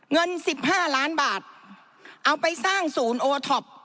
เงินสิบห้าร้านบาทเอาไปสร้างศูนย์โอเทิป